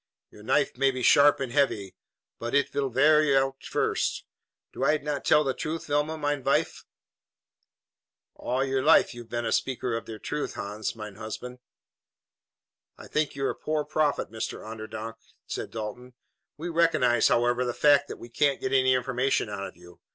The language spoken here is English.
Your knife may be sharp and heavy, but it vill vear out first. Do I not tell the truth, Vilhelmina, mein vife?" "All your life you haf been a speaker of der truth, Hans, mein husband." "I think you're a poor prophet, Mr. Onderdonk," said Dalton. "We recognize, however, the fact that we can't get any information out of you.